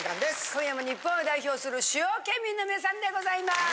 今夜も日本を代表する主要県民の皆さんでございます。